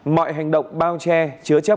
mọi hành động bao che chứa chấp